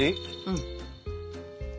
うん。